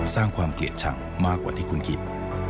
สร้างความเกลียดชังมากกว่าที่คุณคิด